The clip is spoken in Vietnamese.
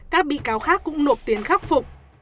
các bị cáo khác cũng nộp tiền khắc phục